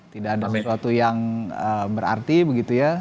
tidak ada sesuatu yang berarti begitu ya